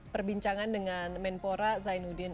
perbincangan dengan menpora zainuddin